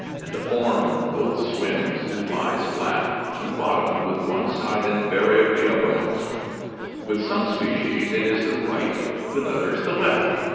]) and the form both swims and lies flat on the bottom with one side invariably uppermost — with some species it is the right, with others the left.